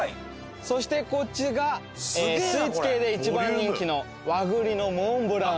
そしてこっちがスイーツ系で一番人気の和栗のモンブラン。